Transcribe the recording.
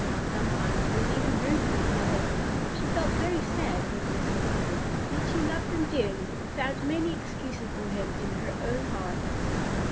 Sometimes he was even rude to his mother. She felt very sad when this was so, yet she loved him dearly and found many excuses for him in her own heart.